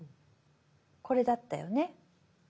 これだったよね？